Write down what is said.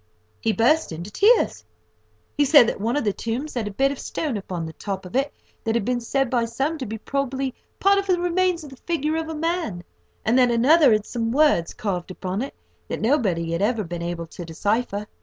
He burst into tears. He said that one of the tombs had a bit of stone upon the top of it that had been said by some to be probably part of the remains of the figure of a man, and that another had some words, carved upon it, that nobody had ever been able to decipher.